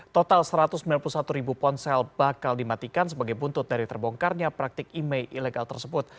total satu ratus sembilan puluh satu ribu ponsel bakal dimatikan sebagai buntut dari terbongkarnya praktik email ilegal tersebut